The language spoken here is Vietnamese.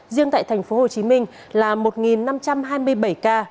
riêng tại thành phố hồ chí minh là một năm trăm hai mươi bảy ca